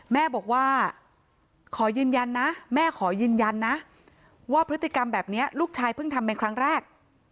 แม่บอกว่าขอยืนยันนะแม่ขอยืนยันนะว่าพฤติกรรมแบบนี้ลูกชายเพิ่งทำเป็นครั้งแรก